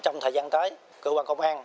trong thời gian tới cơ quan công an